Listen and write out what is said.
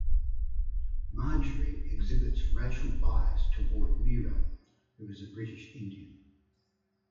Marjorie exhibits racial bias towards Meera, who is a British Indian.